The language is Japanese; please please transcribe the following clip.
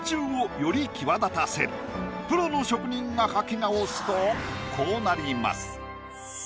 プロの職人が描き直すとこうなります。